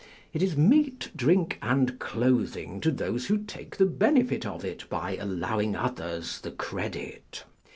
It is meat, drink, and clothing to those who take the benefit of it by allowing others the credit.